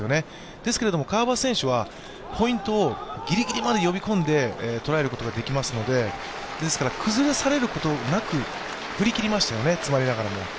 ですけれども、川端選手はポイントをぎりぎりまで呼び込んで捉えることができますので、崩されることなく振り切りましたよね、詰まりながらも。